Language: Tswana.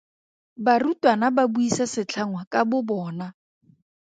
Barutwana ba buisa setlhangwa ka bobona.